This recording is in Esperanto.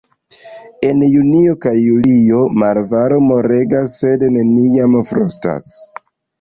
En junio kaj julio malvarmo regas, sed neniam frostas.